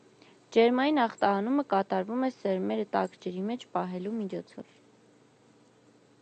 Ջերմային ախտահանումը կատարվում է սերմերը տաք ջրի մեջ պահելու միջոցով։